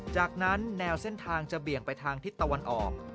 จากนั้นแนวเส้นทางจะเบี่ยงไปทางทิศตะวันออก